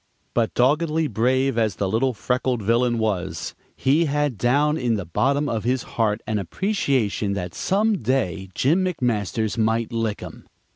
But doggedly brave as the little freckled villain was, he had down in the bottom of his heart an appreciation that some day Jim McMasters might lick him.